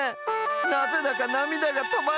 なぜだかなみだがとまらないっしょ！